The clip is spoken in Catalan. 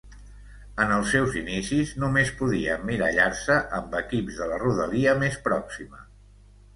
En els seus inicis, només podia emmirallar-se amb equips de la rodalia més pròxima.